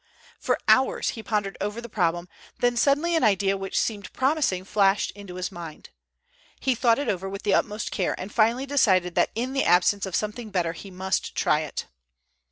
For hours he pondered over the problem, then suddenly an idea which seemed promising flashed into his mind. He thought it over with the utmost care, and finally decided that in the absence of something better he must try it.